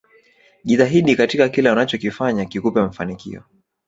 Jitahidi katika kila unachokifanya kikupe mafanikio